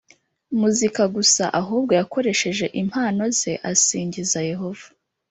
muzika gusa Ahubwo yakoresheje impano ze asingiza Yehova